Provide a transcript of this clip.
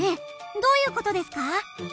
どういう事ですか？